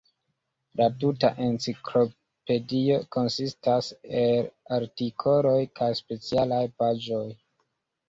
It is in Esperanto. La tuta enciklopedio konsistas el artikoloj kaj specialaj paĝoj.